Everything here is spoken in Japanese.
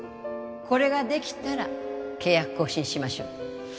これができたら契約更新しましょう